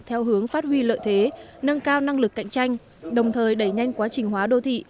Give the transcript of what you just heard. theo hướng phát huy lợi thế nâng cao năng lực cạnh tranh đồng thời đẩy nhanh quá trình hóa đô thị